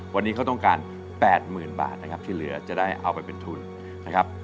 วันนี้เขาต้องการ๘๐๐๐บาทนะครับที่เหลือจะได้เอาไปเป็นทุนนะครับ